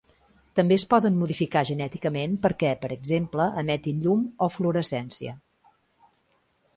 També es poden modificar genèticament perquè, per exemple, emetin llum o fluorescència.